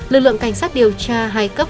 lực lượng cảnh sát điều tra hai cấp